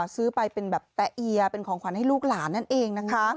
ซื้อไปเป็นแบบแตะเอียเป็นของขวัญให้ลูกหลานนั่นเองนะคะ